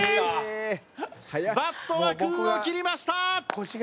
バットは空を切りました！